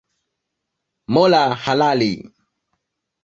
Mola halali